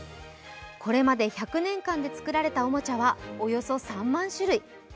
これまで１００年間に作られたおもちゃは、およそ３万種類。